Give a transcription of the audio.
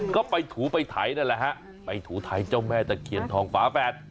ก็ไปถูไปไถนั่นแหละฮะไปถูไถเจ้าแม่ตะเคียนทองฝาแฝด